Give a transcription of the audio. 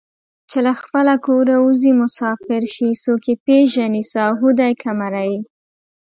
چې له خپله کوره اوځي مسافر شي څوک یې پېژني ساهو دی که مریی